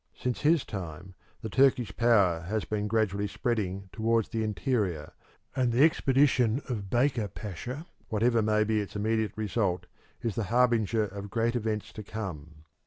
Since his time the Turkish power has been gradually spreading towards the interior, and the expedition of Baker Pasha, whatever may be its immediate result, is the harbinger of great events to come.